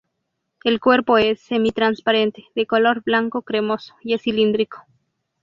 El cuerpo es semi-transparente, de color blanco-cremoso y es cilíndrico.